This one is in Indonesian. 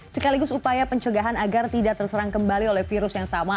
sekaligus upaya pencegahan agar tidak terserang kembali oleh virus yang sama